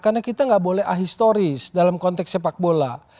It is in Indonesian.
karena kita gak boleh ahistoris dalam konteks sepak bola